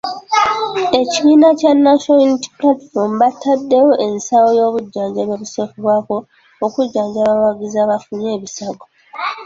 Ekibiina kya National Unity Platform bataddewo ensawo y'obujjanjabi obusookerwako, okujjanjaba abawagizi abafunye ebisago.